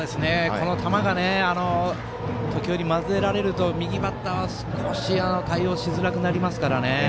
この球が時折まぜられると右バッターは少し対応しづらくなりますからね。